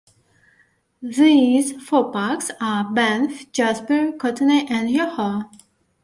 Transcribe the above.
These four parks are Banff, Jasper, Kootenay and Yoho.